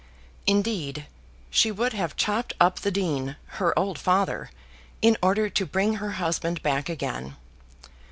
Indeed, she would have chopped up the Dean, her old father, in order to bring her husband back again.